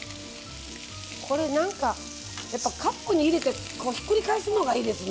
これなんかやっぱカップに入れてひっくり返すのがいいですね。